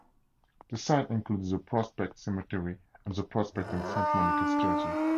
The site included the Prospect Cemetery and the Prospect and Saint Monica's Churches.